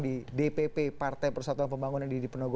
di dpp partai persatuan pembangunan yang di dipenolongkan